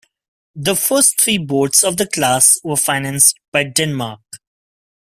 The first three boats of the class were financed by Denmark.